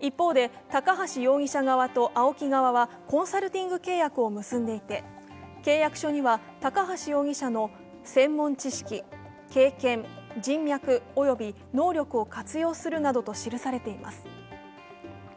一方で高橋容疑者側とＡＯＫＩ側はコンサルティング契約を結んでいて契約書には高橋容疑者の専門知識、経験、人脈及び能力を活用するなどと記されています。